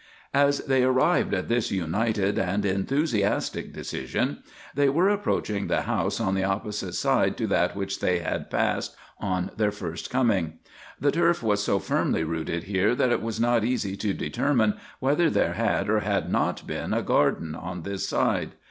As they arrived at this united and enthusiastic decision, they were approaching the house on the opposite side to that which they had passed on their first coming. The turf was so firmly rooted here that it was not easy to determine whether there had or had not been a garden on this side.